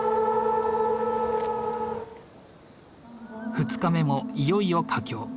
２日目もいよいよ佳境。